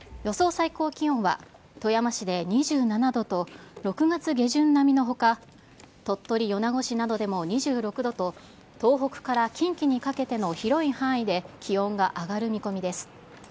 最高気温は富山市で２７度と、６月下旬並みのほか、鳥取・米子市などでも２６度と、東北から近畿にかけての広い範囲で気温が上がる見込みです。